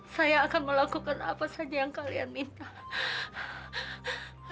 saya akan melakukan apa saja yang kalian minta